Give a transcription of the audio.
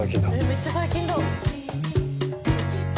めっちゃ最近だ。